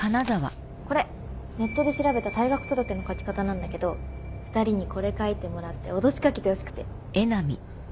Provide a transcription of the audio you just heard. これネットで調べた退学届の書き方なんだけど２人にこれ書いてもらって脅しかけてほしくて。